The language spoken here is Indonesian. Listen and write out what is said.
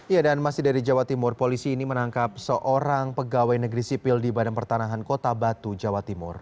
ya dan masih dari jawa timur polisi ini menangkap seorang pegawai negeri sipil di badan pertanahan kota batu jawa timur